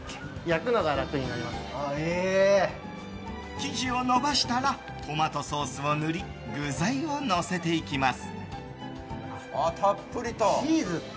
生地を延ばしたらトマトソースを塗り具材をのせていきます。